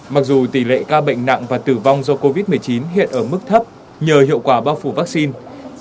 mặc dù tỷ lệ ca bệnh nặng và tử vong do covid một mươi chín hiện ở mức thấp nhờ hiệu quả bao phủ vaccine